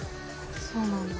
そうなんだ。